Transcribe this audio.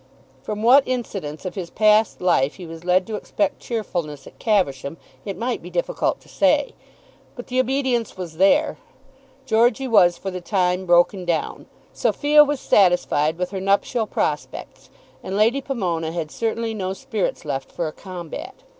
From what incidents of his past life he was led to expect cheerfulness at Caversham it might be difficult to say; but the obedience was there. Georgey was for the time broken down; Sophia was satisfied with her nuptial prospects, and Lady Pomona had certainly no spirits left for a combat.